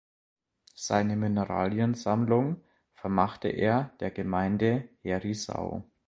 Seine Mineraliensammlung vermachte er der Gemeinde Herisau.